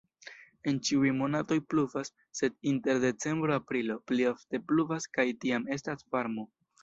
En ĉiuj monatoj pluvas, sed inter decembro-aprilo pli ofte pluvas kaj tiam estas varmo.